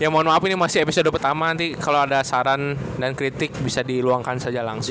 ya mohon maaf ini masih episode pertama nanti kalau ada saran dan kritik bisa diluangkan saja langsung